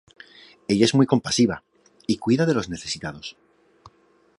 Ella es muy compasiva, y cuida de los necesitados.